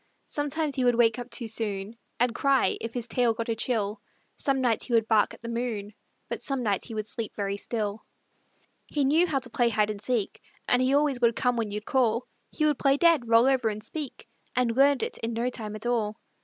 Sometimes he would wake up too soon And cry, if his tail got a chill; Some nights he would bark at the moon, But some nights he would sleep very still. He knew how to play hide and seek And he always would come when you'd call; He would play dead, roll over and speak, And learned it in no time at all.